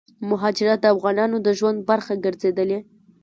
مهاجرت دافغانانو دژوند برخه ګرځيدلې